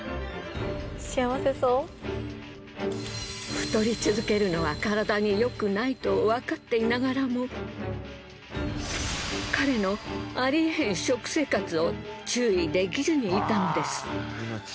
太り続けるのは体に良くないとわかっていながらも彼のありえへん食生活を注意できずにいたのです。